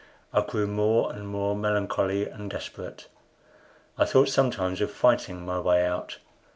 I grew more and more melancholy and desperate. I thought sometimes of fighting my way out.